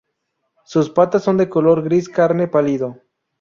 Sus patas son de color gris-carne pálido.